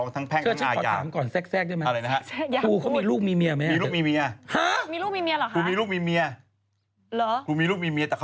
ขณะตอนอยู่ในสารนั้นไม่ได้พูดคุยกับครูปรีชาเลย